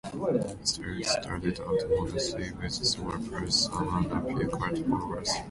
Starleague started out modestly, with a small prize sum and a few cult followers.